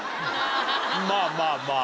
まあまあまあ。